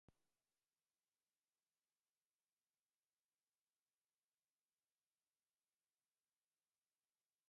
Ez dakit nola ez zaidan bizkarrean begi bat atera.